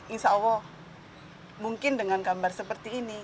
insya allah mungkin dengan gambar seperti ini